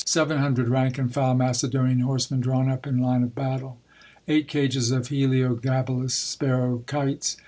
Seven hundred rank and file Macedonian horsemen drawn up in line of battle. Eight cages of heliogabalus sparrow kites.